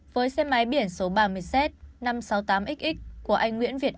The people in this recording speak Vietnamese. với xe máy biển số ba mươi c năm trăm sáu mươi tám xx của anh nguyễn việt